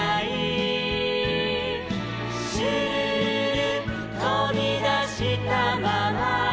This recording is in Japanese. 「シュルルルとびだしたまま」